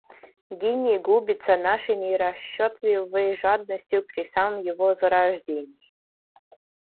Гений губится нашей нерасчетливой жадностью при самом его зарождении.